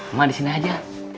emak disini aja